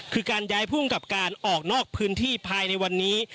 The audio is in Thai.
คือการย้ายภูมิกับการออกนอกพื้นที่ภายในวันนี้